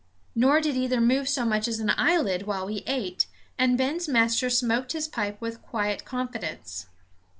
Nor did either move so much as an eyelid while we ate, and Ben's master smoked his pipe with quiet confidence.